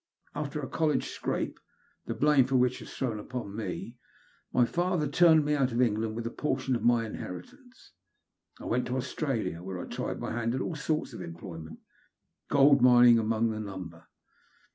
After a college scrape, the blame for which was thrown upon me, my father turned me out of England with a portion of my in heritance. I went to Australia, whore I tried my hand at all sorts of employment, gold mining among the number.